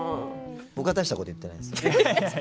僕は大したこと言ってないです。